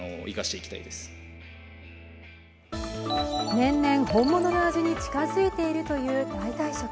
年々本物の味に近づいているという代替食。